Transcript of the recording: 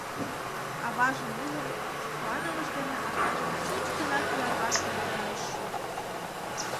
Аважым ужын, куанымыж дене азажым чуч гына кӱварвак волтен ыш шу.